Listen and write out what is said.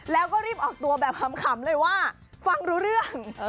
แล้วก็รีบออกตัวแบบขำเลยว่าฟังรู้เรื่อง